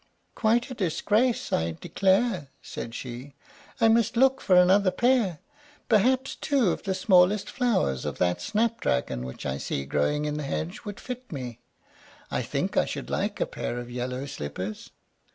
"Quite a disgrace, I declare," said she. "I must look for another pair. Perhaps two of the smallest flowers of that snapdragon which I see growing in the hedge would fit me. I think I should like a pair of yellow slippers."